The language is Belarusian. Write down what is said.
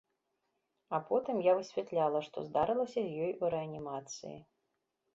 А потым я высвятляла, што здарылася з ёй у рэанімацыі.